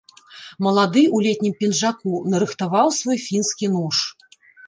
Малады ў летнім пінжаку нарыхтаваў свой фінскі нож.